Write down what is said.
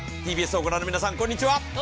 ＴＢＳを御覧の皆さん、こんにちは。